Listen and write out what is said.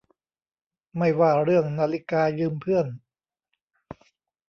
ไม่ว่าเรื่องนาฬิกายืมเพื่อน